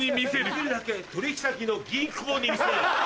できるだけ取引先の銀行に見せる。